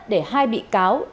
để hai bị cáo